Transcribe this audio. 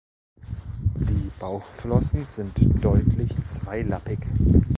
Die Bauchflossen sind deutlich zweilappig.